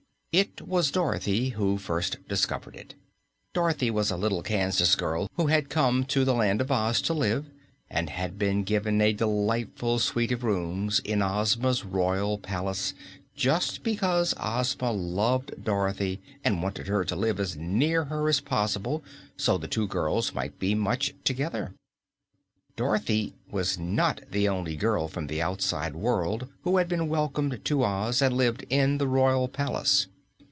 It was Dorothy who first discovered it. Dorothy was a little Kansas girl who had come to the Land of Oz to live and had been given a delightful suite of rooms in Ozma's royal palace just because Ozma loved Dorothy and wanted her to live as near her as possible so the two girls might be much together. Dorothy was not the only girl from the outside world who had been welcomed to Oz and lived in the royal palace.